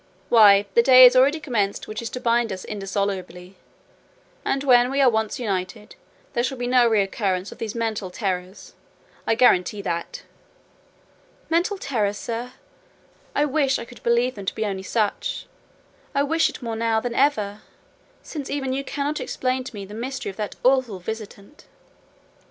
Why, the day is already commenced which is to bind us indissolubly; and when we are once united, there shall be no recurrence of these mental terrors: I guarantee that." "Mental terrors, sir! I wish I could believe them to be only such: I wish it more now than ever; since even you cannot explain to me the mystery of that awful visitant."